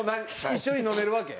一緒に飲めるわけ？